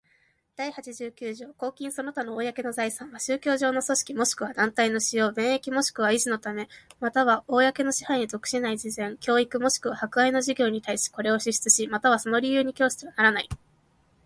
第八十九条公金その他の公の財産は、宗教上の組織若しくは団体の使用、便益若しくは維持のため、又は公の支配に属しない慈善、教育若しくは博愛の事業に対し、これを支出し、又はその利用に供してはならない。